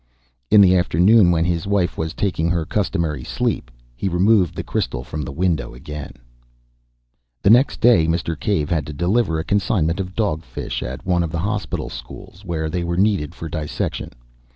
In the afternoon, when his wife was taking her customary sleep, he removed the crystal from the window again. The next day Mr. Cave had to deliver a consignment of dog fish at one of the hospital schools, where they were needed for dissection.